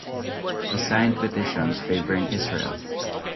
He signed petitions favoring Israel.